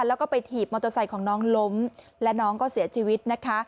แล้วก็ไปถีบมอเตอร์ไซค์ของน้องล้มและน้องก็เสียชีวิตนะคะ